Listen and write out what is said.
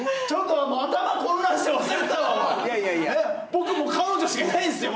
僕も彼女しかいないんですよ。